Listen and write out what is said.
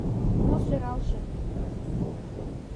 Мо сӧралже?